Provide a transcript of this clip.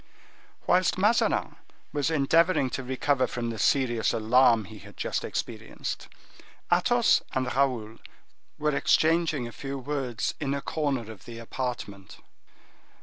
Whilst Mazarin was endeavoring to recover from the serious alarm he had just experienced, Athos and Raoul were exchanging a few words in a corner of the apartment.